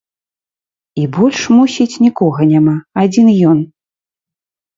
І больш, мусіць, нікога няма, адзін ён.